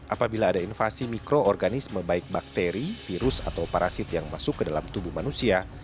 apabila ada invasi mikroorganisme baik bakteri virus atau parasit yang masuk ke dalam tubuh manusia